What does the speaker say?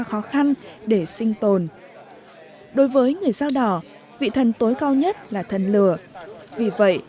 khó khăn để sinh tồn đối với người dao đỏ vị thần tối cao nhất là thần lửa vì vậy